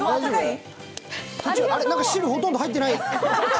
汁ほとんど入ってないよ。